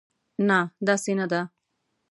نه، داسې نه ده.